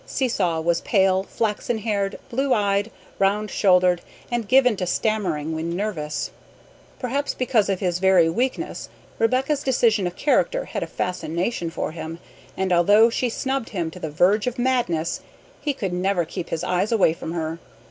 Seesaw was pale, flaxen haired, blue eyed, round shouldered, and given to stammering when nervous. Perhaps because of his very weakness Rebecca's decision of character had a fascination for him, and although she snubbed him to the verge of madness, he could never keep his eyes away from her.